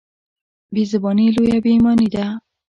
بېزباني لويه بېايماني ده.